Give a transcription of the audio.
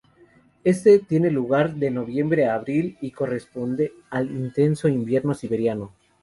Este tiene lugar de noviembre a abril y corresponde al intenso invierno siberiano.